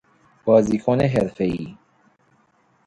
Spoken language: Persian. بازیکن حرفه ای